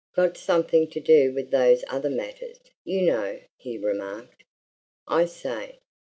"Got something to do with those other matters, you know," he remarked. "I say!